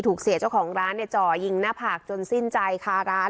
ถูกเสียเจ้าของร้านเนี่ยเจาะยิงหน้าผากจนสิ้นใจค้าร้าน